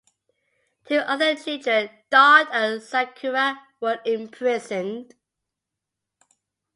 Two other children, Daud and Zakaria were imprisoned.